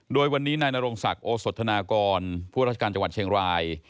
โดยวันนี้นายนรงศักดิ์โอสธนากรผู้ราชการจังหวัดเชียงราย